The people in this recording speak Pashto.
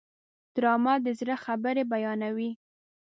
ډرامه د زړه خبرې بیانوي